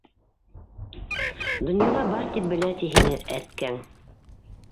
Донъяла бар тип белә ти һине әткәң!